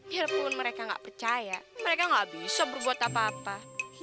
biarpun mereka gak percaya mereka gak bisa berbuat apa apa